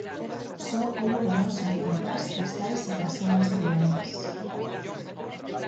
Só houbo danos en ventás, cristais e persianas de vivendas.